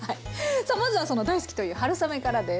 さあまずはその大好きという春雨からです。